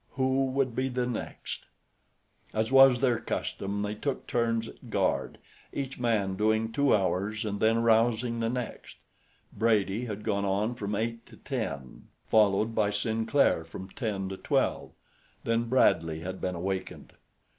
Who would be the next? As was their custom, they took turns at guard, each man doing two hours and then arousing the next. Brady had gone on from eight to ten, followed by Sinclair from ten to twelve, then Bradley had been awakened.